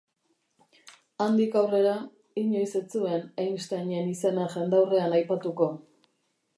Handik aurrera, inoiz ez zuen Einsteinen izena jendaurrean aipatuko.